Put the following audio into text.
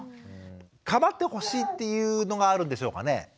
構ってほしいっていうのがあるんでしょうかね？